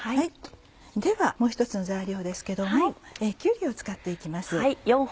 ではもう一つの材料ですけどもきゅうりを使って行きます。